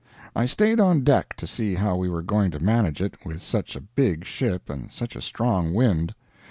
I stayed on deck to see how we were going to manage it with such a big ship and such a strong wind.